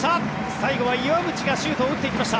最後は岩渕がシュートを打っていきました。